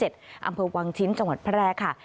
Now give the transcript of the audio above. อำเภอวังชิ้นจังหวัดแพร่ค่ะ